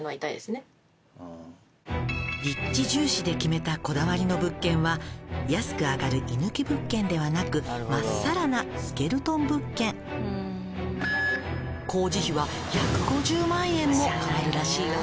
「立地重視で決めたこだわりの物件は安く上がる居抜き物件ではなく真っさらなスケルトン物件」「工事費は１５０万円も変わるらしいわ」